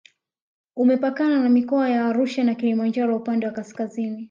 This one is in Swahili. Umepakana na mikoa ya Arusha na Kilimanjaro upande wa kaskazini